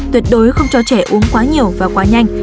tuyệt đối không cho trẻ uống quá nhiều và quá nhanh